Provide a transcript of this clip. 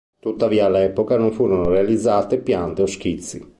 Tuttavia all'epoca non furono realizzate piante o schizzi.